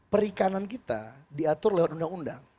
perikanan kita diatur lewat undang undang